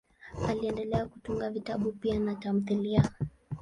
Aliendelea kutunga pia vitabu na tamthiliya.